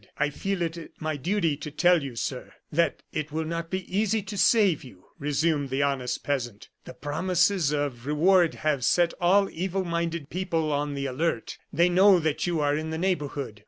"I feel it my duty to tell you, sir, that it will not be easy to save you," resumed the honest peasant. "The promises of reward have set all evil minded people on the alert. They know that you are in the neighborhood.